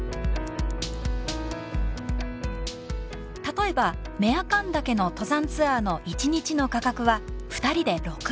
例えば雌阿寒岳の登山ツアーの一日の価格は２人で６万円。